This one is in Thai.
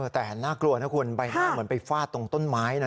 แต่น่ากลัวนะคุณใบหน้าเหมือนไปฟาดตรงต้นไม้นะ